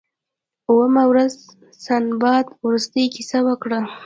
اوومه ورځ سنباد وروستۍ کیسه وکړه.